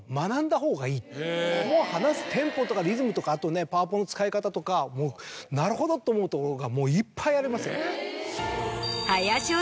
話すテンポとかリズムとかあとパワポの使い方とかなるほどと思うところがいっぱいありますよ。